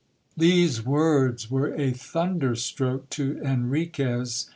These words were a thunderstroke to Enriquez.